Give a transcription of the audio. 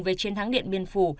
về chiến thắng điện biên phủ